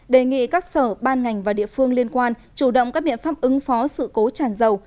đề nghị các sở ban ngành và địa phương liên quan chủ động các biện pháp ứng phó sự cố tràn dầu